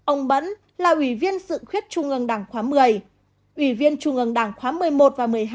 ông bẫn là ủy viên sự khuyết trung gương đảng khóa một mươi ủy viên trung gương đảng khóa một mươi một và một mươi hai một mươi ba